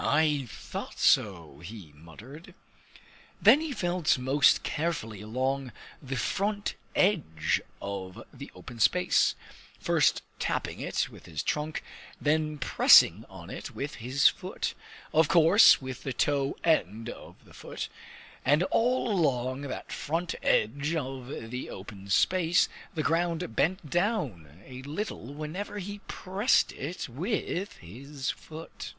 "I thought so!" he muttered. Then he felt most carefully all along the front edge of the open space, first tapping it with his trunk, then pressing on it with his foot of course with the toe end of the foot. And all along that front edge of the open space the ground bent down a little wherever he pressed it with his foot.